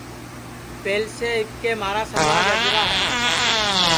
پہلیس اِٻکے مھارا سماج اجرا ہے